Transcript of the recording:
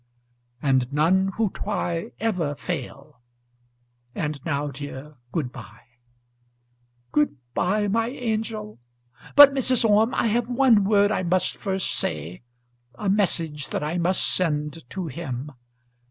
"And none who try ever fail. And now, dear, good bye." "Good bye, my angel. But, Mrs. Orme, I have one word I must first say; a message that I must send to him.